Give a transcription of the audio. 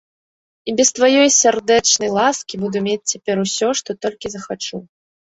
І без тваёй сардэчнай ласкі буду мець цяпер усё, што толькі захачу.